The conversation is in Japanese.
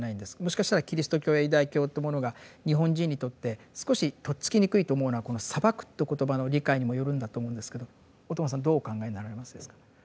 もしかしたらキリスト教やユダヤ教というものが日本人にとって少しとっつきにくいと思うのはこの「裁く」という言葉の理解にもよるんだと思うんですけど小友さんどうお考えになられますですか。